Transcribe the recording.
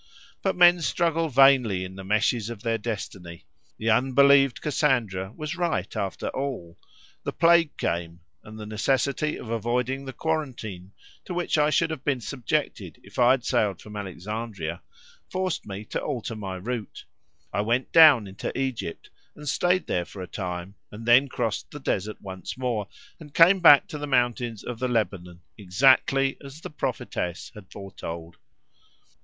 But men struggle vainly in the meshes of their destiny. The unbelieved Cassandra was right after all; the plague came, and the necessity of avoiding the quarantine, to which I should have been subjected if I had sailed from Alexandria, forced me to alter my route. I went down into Egypt, and stayed there for a time, and then crossed the desert once more, and came back to the mountains of the Lebanon, exactly as the prophetess had foretold.